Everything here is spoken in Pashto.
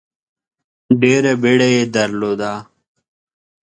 ډېره بیړه یې درلوده.